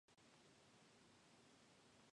元旦